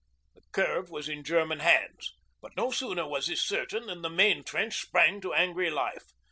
The curve was in German hands, but no sooner was this certain than the main trench sprang to angry life.